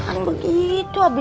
kamu sudah terlalu sedih